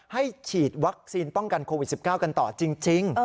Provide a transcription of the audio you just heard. ฉีดวัคซีนป้องกันโควิด๑๙กันต่อจริง